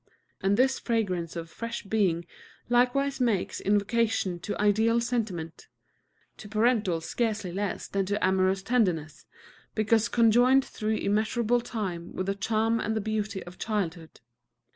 And this fragrance of fresh being likewise makes invocation to ideal sentiment, to parental scarcely less than to amorous tenderness, because conjoined through immeasurable time with the charm and the beauty of childhood.